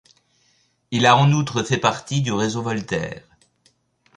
Il a en outre fait partie du réseau Voltaire.